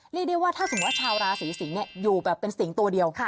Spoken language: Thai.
เรียกได้ว่าถ้าสมมุติว่าชาวราศีสิงศ์อยู่แบบเป็นสิงตัวเดียว